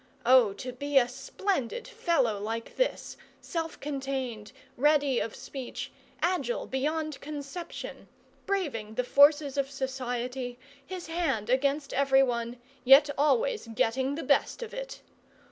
Oh, to be a splendid fellow like this, self contained, ready of speech, agile beyond conception, braving the forces of society, his hand against everyone, yet always getting the best of it!